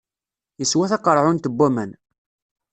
Yeswa taqeṛɛunt n waman.